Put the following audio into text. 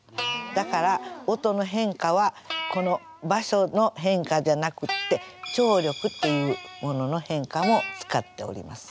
だから音の変化はこの場所の変化じゃなくって張力っていうものの変化も使っております。